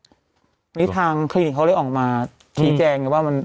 อันนี้ทางคลินิกเขาเลยออกมาชี้แจงไงว่ามัน